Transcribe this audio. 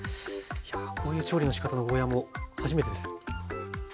いやこういう調理のしかたのゴーヤーも初めてです。